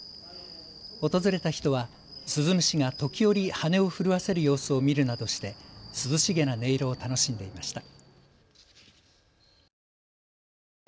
訪れた人はスズムシが時折、羽を震わせる様子を見るなどして涼しげな音色を楽しんでいました。